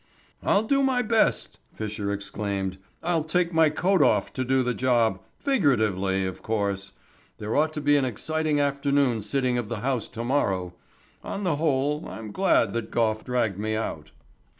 "I'll do my best," Fisher exclaimed. "I'll take my coat off to the job figuratively, of course. There ought to be an exciting afternoon sitting of the House to morrow. On the whole I'm glad that Gough dragged me out."